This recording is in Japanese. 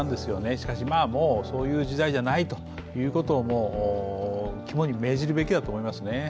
しかし、そういう時代じゃないということを肝に銘じるべきだと思いますね。